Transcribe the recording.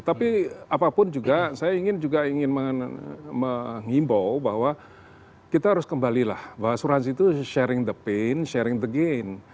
tapi apapun juga saya ingin juga ingin mengimbau bahwa kita harus kembalilah bahwa asuransi itu sharing the pain sharing the gain